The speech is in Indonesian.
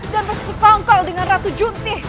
dan bersekongkol dengan ratu junti